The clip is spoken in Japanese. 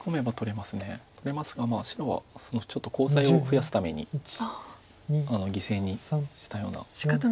取れますが白はちょっとコウ材を増やすために犠牲にしたような。